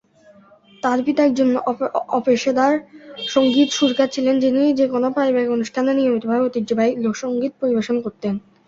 তার পিতা একজন অপেশাদার সঙ্গীত সুরকার ছিলেন যিনি যেকোন পারিবারিক অনুষ্ঠানে নিয়মিতভাবে ঐতিহ্যবাহী লোকসঙ্গীত পরিবেশন করতেন।